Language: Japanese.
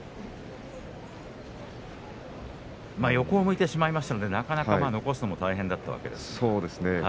横を向いてしまいましたのでなかなか残すのも大変だったわけです。